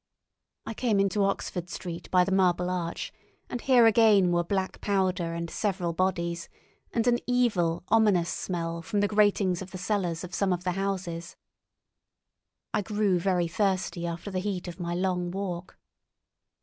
... I came into Oxford Street by the Marble Arch, and here again were black powder and several bodies, and an evil, ominous smell from the gratings of the cellars of some of the houses. I grew very thirsty after the heat of my long walk.